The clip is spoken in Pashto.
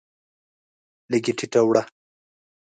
لږ یې ټیټه وړوه.